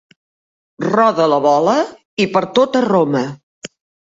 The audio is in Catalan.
Roda la bola i per tot a Roma.